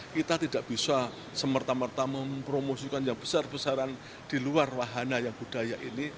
kita tidak bisa semerta merta mempromosikan yang besar besaran di luar wahana yang budaya ini